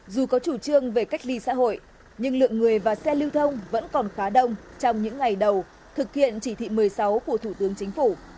dù có chủ trương về cách ly xã hội nhưng lượng người và xe lưu thông vẫn còn khá đông trong những ngày đầu thực hiện chỉ thị một mươi sáu của thủ tướng chính phủ